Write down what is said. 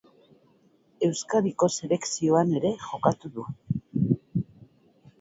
Euskadiko selekzioan ere jokatu du.